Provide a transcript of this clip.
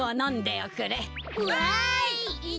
わい！